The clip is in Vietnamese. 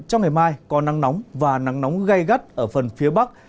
trong ngày mai có nắng nóng và nắng nóng gây gắt ở phần phía bắc